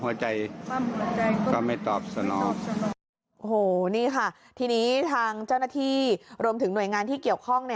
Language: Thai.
โอ้โหนี่ค่ะทีนี้ทางเจ้าหน้าที่รวมถึงหน่วยงานที่เกี่ยวข้อง